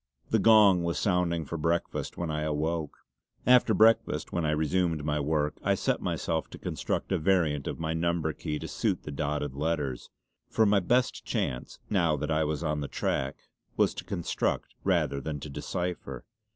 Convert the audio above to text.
The gong was sounding for breakfast when I awoke. After breakfast when I resumed my work I set myself to construct a variant of my number key to suit the dotted letters, for my best chance, now that I was on the track was to construct rather than to decipher.